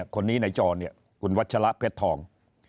คนนี้ในจอคุณวัชละเพชรทอง